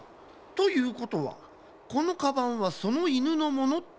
ということはこのカバンはそのイヌのものってわけ？